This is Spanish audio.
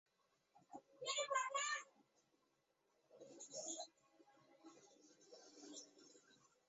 Ese cálculo se realizó estimando su albedo, y basándose en su brillo.